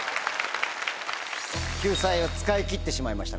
救済を使い切ってしまいました